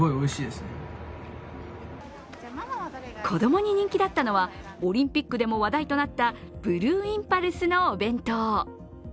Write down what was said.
子供に人気だったのは、オリンピックでも話題となったブルーインパルスのお弁当。